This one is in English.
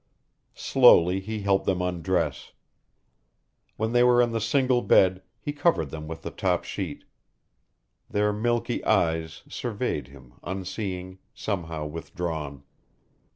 Slowly he helped them undress. When they were in the single bed he covered them with the top sheet. Their milky eyes surveyed him, unseeing, somehow withdrawn.